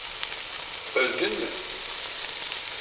Öldün mü?